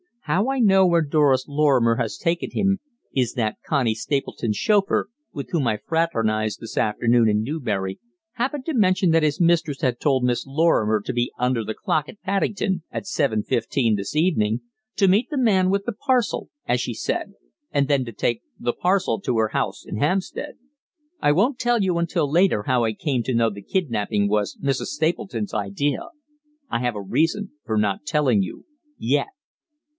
How I know where Doris Lorrimer has taken him is that Connie Stapleton's chauffeur, with whom I fraternized this afternoon in Newbury, happened to mention that his mistress had told Miss Lorrimer to be under the clock at Paddington at seven fifteen this evening to meet the man with the parcel,' as she said, and then to take the 'parcel' to her house in Hampstead! I won't tell you until later how I come to know the kidnapping was Mrs. Stapleton's idea; I have a reason for not telling you yet."